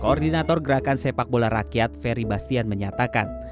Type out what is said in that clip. koordinator gerakan sepak bola rakyat ferry bastian menyatakan